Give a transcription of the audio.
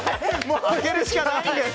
開けるしかないんです。